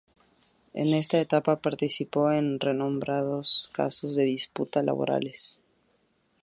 En esta etapa participó en renombrados casos de disputas laborales.